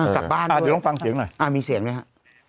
กลับบ้านด้วยอ่ะมีเสียงไหมฮะอ่าเดี๋ยวต้องฟังเสียงหน่อย